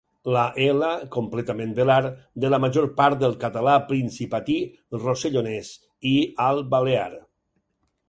La ela completament velar de la major part del català principatí, rossellonès i al balear.